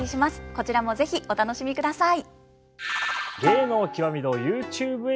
こちらも是非お楽しみください。